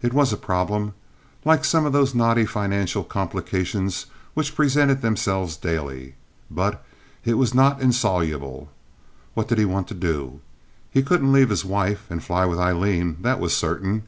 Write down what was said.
It was a problem, like some of those knotty financial complications which presented themselves daily; but it was not insoluble. What did he want to do? He couldn't leave his wife and fly with Aileen, that was certain.